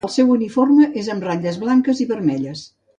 El seu uniforme és amb ratlles blanques i vermelles.